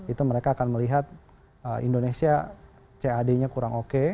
itu mereka akan melihat indonesia cad nya kurang oke